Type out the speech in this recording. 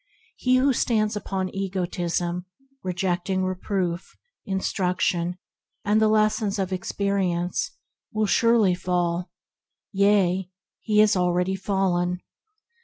He who stands upon egotism, reject ing reproof, instruction, and the lessons of experience, will surely fall; yea, he is already fallen.